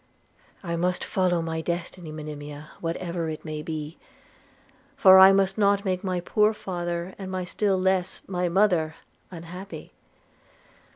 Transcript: I must follow my destiny, Monimia, whatever it may be; for I must not make my poor father, and still less my mother, unhappy.